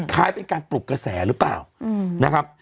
คล้ายเป็นการปลุกกระแสหรือเปล่านะครับ